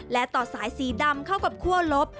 และต่อสายสีดำเข้ากับคั่วลบ